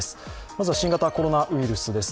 まずは新型コロナウイルスです。